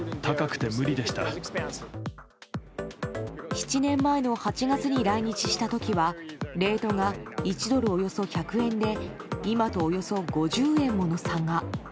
７年前の８月に来日した時はレートが１ドルおよそ１００円で今とおよそ５０円もの差が。